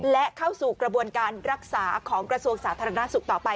และเข้าสู่กระบวนการรักษาของกระทรวงสาธารณสุขต่อไป